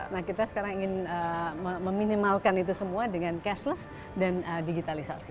nah kita sekarang ingin meminimalkan itu semua dengan cashless dan digitalisasi